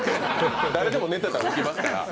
誰でも寝てたら起きますから。